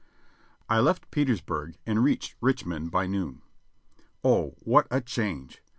I left Petersburg and reached Richmond by noon. Oh, what a change